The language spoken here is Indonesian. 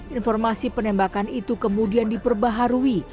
informasi penembakan itu kemudian diperbaharui